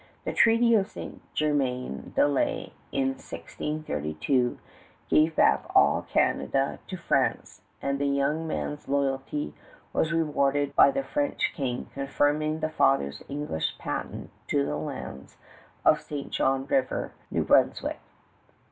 The Treaty of St. Germain en Laye, in 1632, gave back all Canada to France; and the young man's loyalty was rewarded by the French King confirming the father's English patent to the lands of St. John River, New Brunswick.